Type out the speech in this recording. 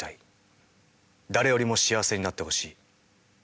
誰よりも幸せになってほしい。